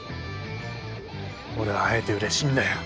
俺は会えてうれしいんだよ。